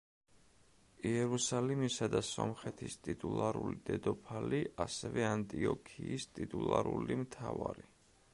იერუსალიმისა და სომხეთის ტიტულარული დედოფალი, ასევე ანტიოქიის ტიტულარული მთავარი.